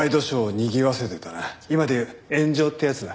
今で言う炎上ってやつだ。